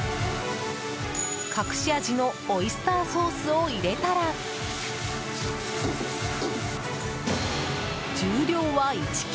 隠し味のオイスターソースを入れたら重量は１ｋｇ！